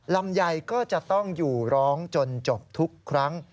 ลำไยก็จะต้องอยู่ร้องจนจบทุกครั้ง